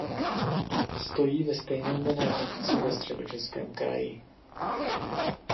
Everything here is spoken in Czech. Stojí ve stejnojmenné obci ve Středočeském kraji.